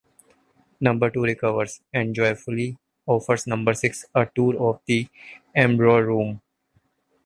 Number Two recovers and joyfully offers Number Six a tour of the Embryo Room.